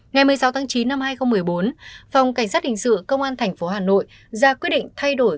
ngày một mươi sáu tháng chín năm hai nghìn một mươi bốn phòng cảnh sát hình sự công an tp hà nội ra quyết định thay đổi